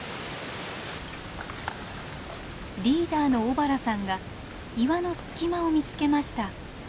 リーダーの小原さんが岩の隙間を見つけました。